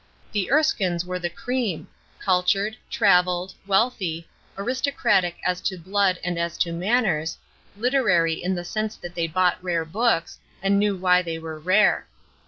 The Erskines were the cream, cultured, traveled, wealthy, aristocratic as to blood and as to manners, literary in the sense that they bought rare books, and knew why they were rare.